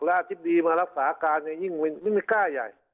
ราชินิดมารักษาการอย่างเยี่ยม